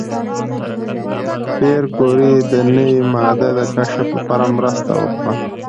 پېیر کوري د نوې ماده د کشف لپاره مرسته وکړه.